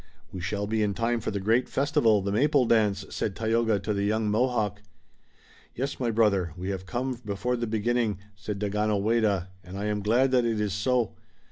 "We shall be in time for the great festival, the Maple Dance," said Tayoga to the young Mohawk. "Yes, my brother, we have come before the beginning," said Daganoweda, "and I am glad that it is so.